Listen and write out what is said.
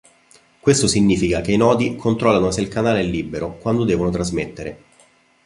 Questo significa che i nodi, controllano se il canale è libero, quando devono trasmettere.